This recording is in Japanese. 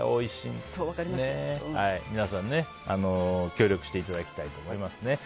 皆さん協力していただきたいと思います。